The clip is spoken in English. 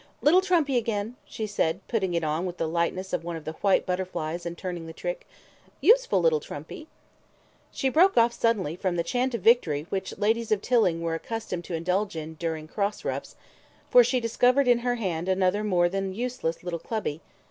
"Little trumpy again," she said, putting it on with the lightness of one of the white butterflies and turning the trick. "Useful little trumpy " She broke off suddenly from the chant of victory which ladies of Tilling were accustomed to indulge in during cross roughs, for she discovered in her hand another more than useless little clubby.